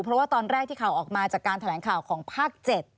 เพราะว่าตอนแรกที่ข่าวออกมาจากการแถลงข่าวของภาค๗